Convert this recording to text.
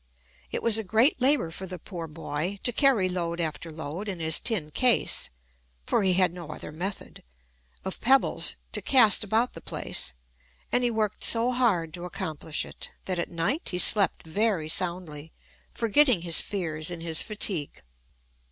It was a great labour for the poor boy, to carry load after load in his tin case (for he had no other method) of pebbles, to cast about the place; and he worked so hard to accomplish it, that at night he slept very soundly, forgetting his fears in his fatigue.